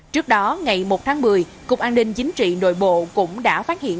trước đó ngày một tháng một mươi cục an ninh chính trị nội bộ cũng đã phát hiện